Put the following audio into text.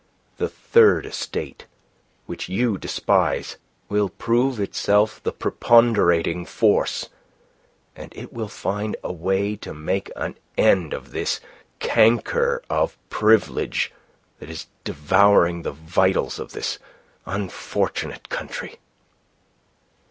The Third Estate, which you despise, will prove itself the preponderating force, and it will find a way to make an end of this canker of privilege that is devouring the vitals of this unfortunate country."